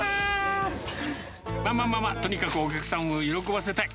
まあまあまあ、とにかくお客さんを喜ばせたい。